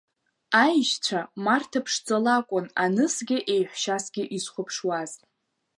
Аишьцәа Марҭа ԥшӡа лакәын анысгьы еиҳәшьасгьы изхәаԥшуаз…